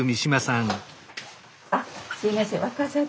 あっすいません。